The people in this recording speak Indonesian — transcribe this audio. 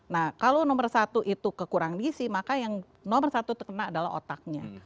nah kalau nomor satu itu kekurangan gisi maka yang nomor satu terkena adalah otaknya